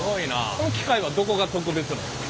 この機械はどこが特別なんですか？